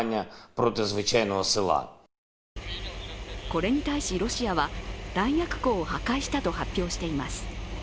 これに対しロシアは、弾薬庫を破壊したと発表しています。